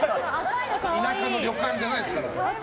田舎の旅館じゃないですから。